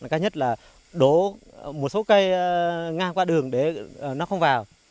cao nhất là đổ một số cây ngang qua đường để nó không vào